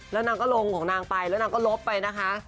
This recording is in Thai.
แล้วนางก็ลงของนางไปแล้วนางก็ลบไปนะคะ